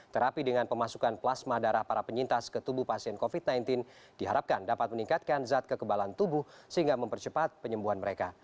terapi dengan pemasukan plasma darah para penyintas ke tubuh pasien covid sembilan belas diharapkan dapat meningkatkan zat kekebalan tubuh sehingga mempercepat penyembuhan mereka